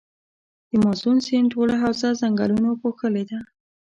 د مازون سیند ټوله حوزه ځنګلونو پوښلي ده.